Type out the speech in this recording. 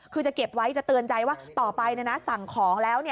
คือจะเก็บไว้จะเตือนใจว่าต่อไปสั่งของแล้ว